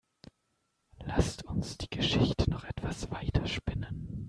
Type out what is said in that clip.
Lasst uns die Geschichte noch etwas weiter spinnen.